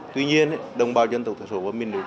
tuy nhiên đồng bào dân tộc thiểu số của mình